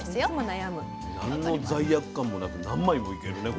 なんの罪悪感もなく何枚もいけるね